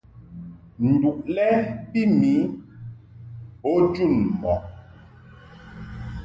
Nduʼ lɛ bi mi bo jun mɔʼ.